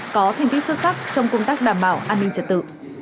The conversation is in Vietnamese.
có thành tích xuất sắc trong công tác đảm bảo an ninh trật tự